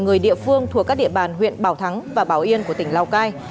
người địa phương thuộc các địa bàn huyện bảo thắng và bảo yên của tỉnh lào cai